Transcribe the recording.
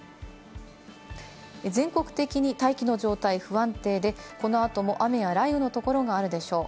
全国的に大気の状態不安定で、この後も雨や雷雨のところがあるでしょう。